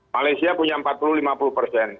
malaysia punya empat puluh lima puluh persen